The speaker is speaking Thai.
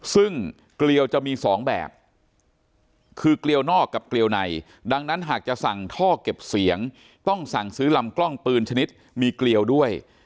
ซึ่งเกลียวจะมี๒แบบคือเกลียวนอกกับเกลียวในดังนั้นหากจะสั่งท่อเก็บเสียงต้องสั่งซื้อลำกล้องปืนชนิดมีเกลียวด้วย